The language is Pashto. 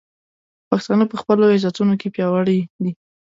پښتانه په خپلو عزتونو کې پیاوړي دي.